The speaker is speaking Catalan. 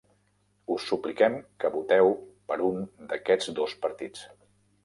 Us supliquem que voteu per un d'aquests dos partits